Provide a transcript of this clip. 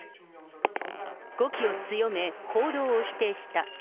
語気を強め、報道を否定した。